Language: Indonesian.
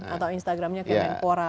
atau instagram nya kemenpora